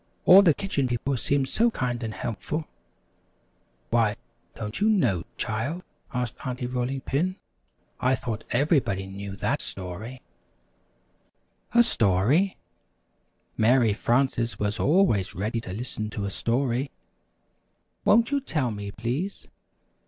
"All the Kitchen People seem so kind and helpful." "Why, don't you know, child?" asked Aunty Rolling Pin. "I thought everybody knew that story." [Illustration: "Don't you know, child?" "Let me at him!"] A story! Mary Frances was always ready to listen to a story. "Won't you tell me, please?"